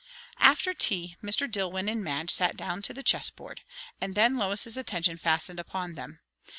After tea, Mr. Dillwyn and Madge sat down to the chess board. And then Lois's attention fastened upon them.